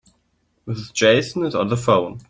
Mrs. Jason is on the phone.